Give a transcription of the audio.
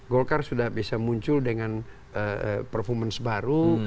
golkar sudah bisa muncul dengan performance baru